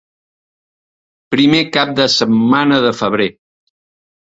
Primer cap de setmana de febrer.